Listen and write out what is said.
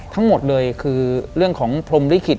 ทั้งหมดเลยคือเรื่องของพรมลิขิต